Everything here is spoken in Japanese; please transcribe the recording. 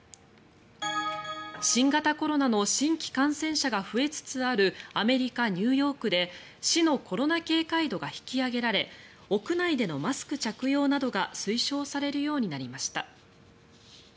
新型コロナの新規感染者が増えつつあるアメリカ・ニューヨークで市のコロナ警戒度が引き上げられ屋内でのマスク着用などが推奨されるようになりました。